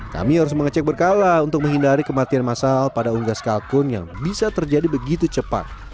kami harus mengecek berkala untuk menghindari kematian massal pada unggas kalkun yang bisa terjadi begitu cepat